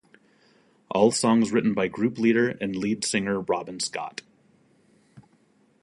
All songs written by group leader and lead singer Robin Scott.